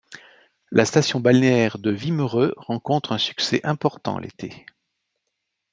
La station balnéaire de Wimereux rencontre un succès important l'été.